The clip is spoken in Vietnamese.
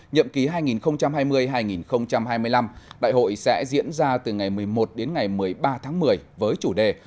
nhậm ký hai nghìn hai mươi hai nghìn hai mươi năm đại hội sẽ diễn ra từ ngày một mươi một đến ngày một mươi ba tháng một mươi với chủ đề